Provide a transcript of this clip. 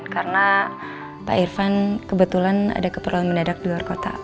karena pak irfan kebetulan ada keperluan mendadak di luar kota